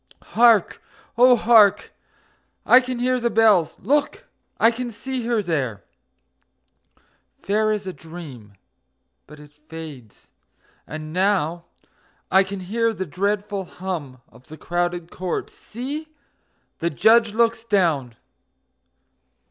Hark! Oh, hark! I can hear the bells!... Look! I can see her there, Fair as a dream... but it fades... And now I can hear the dreadful hum Of the crowded court... See! the Judge looks down...